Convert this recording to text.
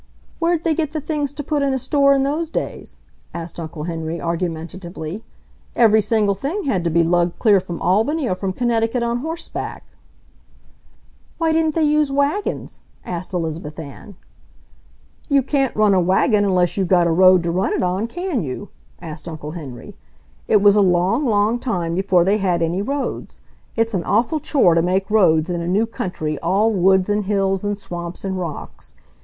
"Where'd they get the things to put in a store in those days?" asked Uncle Henry, argumentatively. "Every single thing had to be lugged clear from Albany or from Connecticut on horseback." "Why didn't they use wagons?" asked Elizabeth Ann. "You can't run a wagon unless you've got a road to run it on, can you?" asked Uncle Henry. "It was a long, long time before they had any roads. It's an awful chore to make roads in a new country all woods and hills and swamps and rocks.